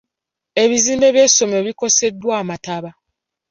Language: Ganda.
Ebizimbe by'essomero bikoseddwa amataba.